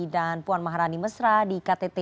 dan puan maharani mesra di ktt